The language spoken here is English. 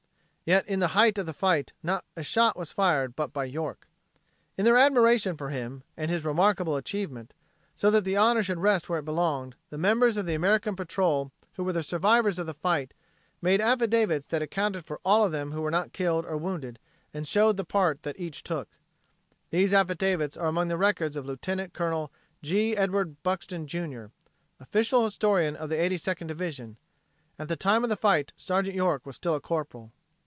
Yet, in the height of the fight, not a shot was fired but by York. In their admiration for him and his remarkable achievement, so that the honor should rest where it belonged, the members of the American patrol who were the survivors of the fight made affidavits that accounted for all of them who were not killed or wounded, and showed the part each took. These affidavits are among the records of Lieut. Col. G. Edward Buxton, Jr., Official Historian of the Eighty Second Division. At the time of the fight Sergeant York was still a Corporal.